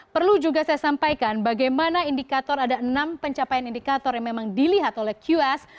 perlu juga saya sampaikan bagaimana indikator ada enam pencapaian indikator yang memang dilihat oleh qs